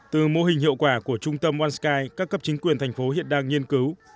từ mô hình hiệu quả của trung tâm onesky các cấp chính quyền thành phố hiện đang nghiên cứu